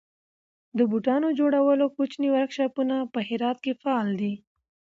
د بوټانو جوړولو کوچني ورکشاپونه په هرات کې فعال دي.